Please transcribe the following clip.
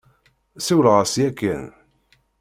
Siwleɣ-as yakan.